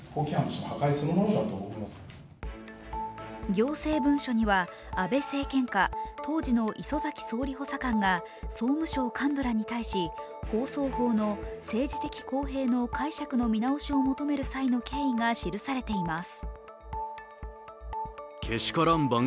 行政文書には、安倍政権下、当時の礒崎総理補佐官が総務省幹部らに対し放送法の政治的公平の解釈の見直しを求める際の経緯が記されています。